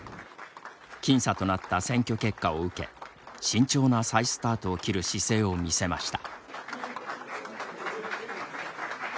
僅差となった選挙結果を受け慎重な再スタートを切る姿勢を見せました。